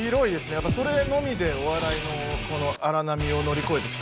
やっぱそれのみでお笑いの荒波を乗り越えてきたんで。